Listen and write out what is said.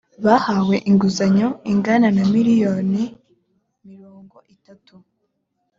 bahawe inguzanyo ingana na miliyoni mirongo itatu